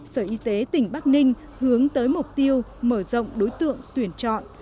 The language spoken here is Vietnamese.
sở y tế tỉnh bắc ninh hướng tới mục tiêu mở rộng đối tượng tuyển chọn